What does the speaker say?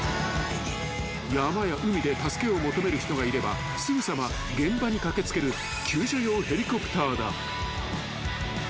［山や海で助けを求める人がいればすぐさま現場に駆け付ける救助用ヘリコプターだ］